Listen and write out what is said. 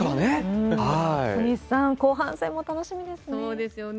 小西さん、後半戦も楽しみでそうですよね。